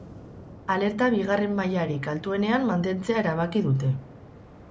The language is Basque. Alerta bigarren mailarik altuenean mantentzea erabaki dute.